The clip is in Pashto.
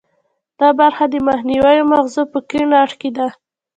دا برخه د مخنیو مغزو په کیڼ اړخ کې ده